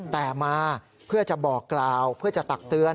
แต่มาเพื่อจะบอกกล่าวเพื่อจะตักเตือน